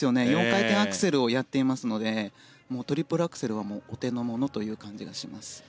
４回転アクセルをやっていますのでトリプルアクセルはもうお手の物という感じがします。